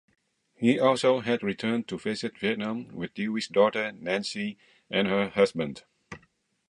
He also had returned to visit Vietnam with Dewey's daughter Nancy and her husband.